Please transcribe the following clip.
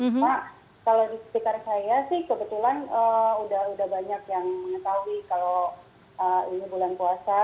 cuma kalau di sekitar saya sih kebetulan udah banyak yang mengetahui kalau ini bulan puasa